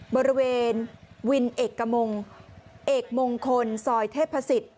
บริเวณวินเอกมงเอกมงคลซอยเทพศิษย์